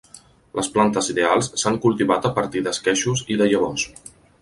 Les plantes ideals s'han cultivat a partir d'esqueixos i de llavors.